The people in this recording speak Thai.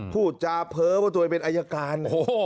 พูดจาเพ้อว่าตัวเองเป็นอายการ